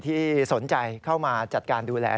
ที่สนใจเข้ามาจัดการดูแล